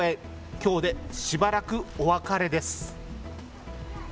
きょうでしばらくお別れです。